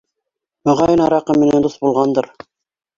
Моғайын, араҡы менән дуҫ булғандыр.